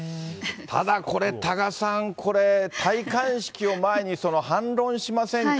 ただこれ、多賀さん、これ、戴冠式を前に、反論しませんか？